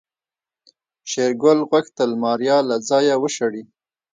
شېرګل غوښتل ماريا له ځايه وشړي.